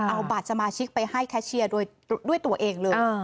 เอาบัตรสมาชิกไปให้แคชเชียร์โดยด้วยตัวเองเลย